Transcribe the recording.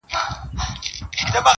چي کار ژر پای ته ورسوي-